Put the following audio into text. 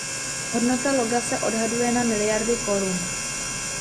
Hodnota loga se odhaduje na miliardy korun.